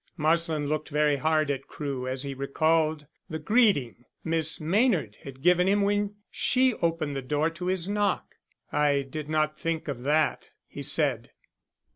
Marsland looked very hard at Crewe as he recalled the greeting Miss Maynard had given him when she opened the door to his knock. "I did not think of that," he said.